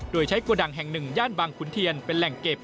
โดยใช้โกดังแห่งหนึ่งย่านบางขุนเทียนเป็นแหล่งเก็บ